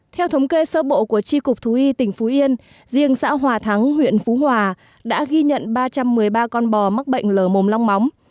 theo thống kê sơ bộ của tri cục thú y tỉnh phú yên riêng xã hòa thắng huyện phú hòa đã ghi nhận ba trăm một mươi ba con bò mắc bệnh lở mồm long móng